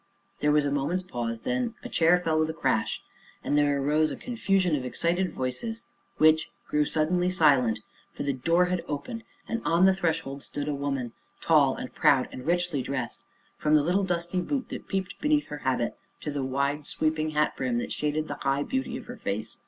There was a moment's pause, then a chair fell with a crash, and there rose a confusion of excited voices which grew suddenly silent, for the door had opened, and on the threshold stood a woman, tall and proud and richly dressed, from the little dusty boot that peeped beneath her habit to the wide sweeping hat brim that shaded the high beauty of her face.